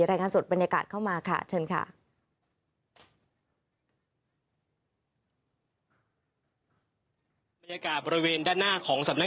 รายงานสดบรรยากาศเข้ามาค่ะเชิญค่ะ